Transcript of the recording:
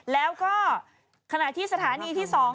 แล้วก็ขณะที่สถานีที่๒